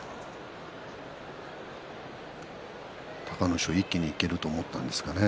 隆の勝、一気にいけると思ったんですかね。